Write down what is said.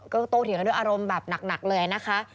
ก็โตเถียงกันด้วยอารมณ์แบบหนักเลยนะคะ